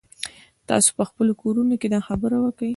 تاسو په خپلو کورونو کښې دا خبره وکئ.